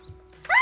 あ！